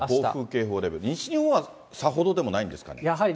西日本はさほどでもないんですかね。